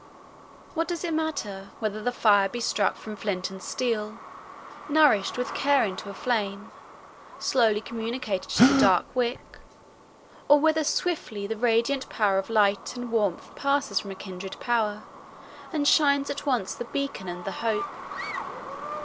What does it matter, whether the fire be struck from flint and steel, nourished with care into a flame, slowly communicated to the dark wick, or whether swiftly the radiant power of light and warmth passes from a kindred power, and shines at once the beacon and the hope.